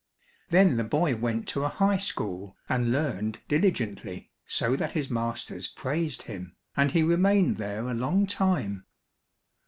Then the boy went to a High School and learned diligently so that his masters praised him, and he remained there a long time.